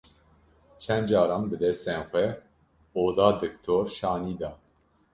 Çend caran bi destên xwe oda diktor şanî da.